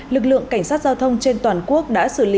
lực lượng cảnh sát giao thông trên toàn quốc đã bắt đầu xử lý